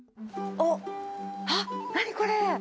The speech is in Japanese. あっ、何これ？